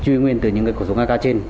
chuyên nguyên từ những loại súng ak trên